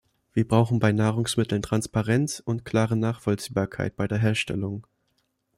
Wir brauchen bei Nahrungsmitteln Transparenz und klare Nachvollziehbarkeit bei der Herstellung.